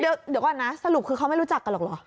เดี๋ยวก่อนนะสรุปคือเขาไม่รู้จักกันหรอกเหรอ